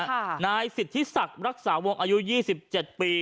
นายสิทธิศักดิ์รักษาวงอายุยี่สิบเจ็ดปี